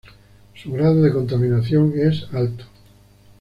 Su grado de contaminación es alto.